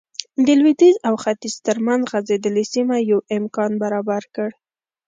د لوېدیځ او ختیځ ترمنځ غځېدلې سیمه یو امکان برابر کړ.